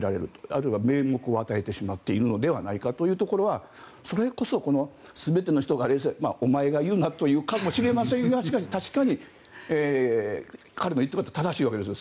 あるいは名目を与えてしまっているのではないかということはそれこそ、全ての人が冷静お前が言うなというかもしれませんがしかし確かに彼の言っていることは正しいわけです。